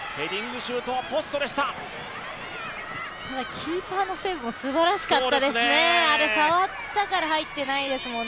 キーパーのセーブもすばらしかったですね。